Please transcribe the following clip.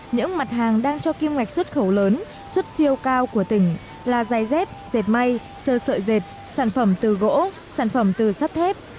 những mặt hàng đang cho kim ngạch xuất khẩu lớn xuất siêu cao của tỉnh là dây dép dệt may sơ sợi dệt sản phẩm từ gỗ sản phẩm từ sắt thép